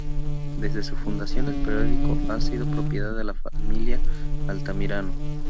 Desde su fundación el periódico ha sido propiedad de la familia Altamirano.